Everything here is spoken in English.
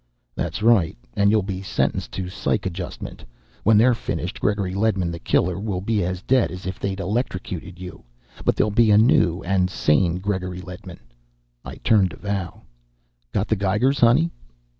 "That's right. And you'll be sentenced to psych adjustment. When they're finished, Gregory Ledman the killer will be as dead as if they'd electrocuted you, but there'll be a new and sane Gregory Ledman." I turned to Val. "Got the geigers, honey?"